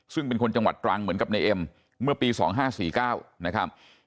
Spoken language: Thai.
ซึ่งเป็นคนจังหวัดตรังเหมือนกับในเอ็มเมื่อปี๒๕๔๙นะครับ